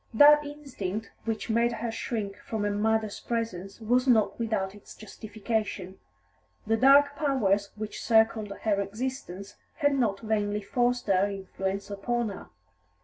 That instinct which made her shrink from her mother's presence was not without its justification; the dark powers which circled her existence had not vainly forced their influence upon her.